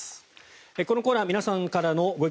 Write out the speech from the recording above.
このコーナー皆さんからのご意見